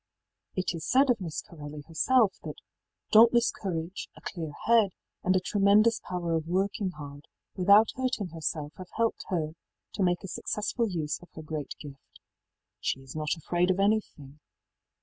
It is said of Miss Corelli herself that ëdauntless courage, a clear head, and a tremendous power of working hard without hurting herself have helped her to make a successful use of her great gift. She is not afraid of anything.